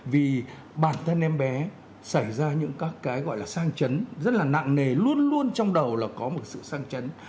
vì bản thân em bé xảy ra những các cái gọi là sang chấn rất là nặng nề luôn luôn trong đầu là có một sự sang chấn